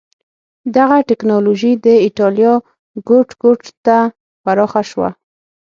دغه ټکنالوژي د اېټالیا ګوټ ګوټ ته پراخه شوه.